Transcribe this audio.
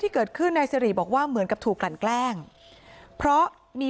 เกิดขึ้นนายสิริบอกว่าเหมือนกับถูกกลั่นแกล้งเพราะมี